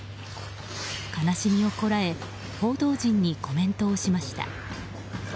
悲しみをこらえ報道陣にコメントをしました。